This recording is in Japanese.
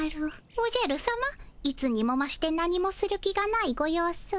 おじゃるさまいつにもまして何もする気がないご様子。